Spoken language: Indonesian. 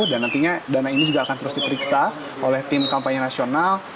dan nantinya dana ini juga akan terus diperiksa oleh tim kampanye nasional